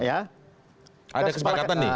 ada kesepakatan nih